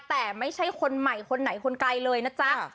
แต่ไม่ใช่คนใหม่คนไหนคนไกลเลยนะจ๊ะ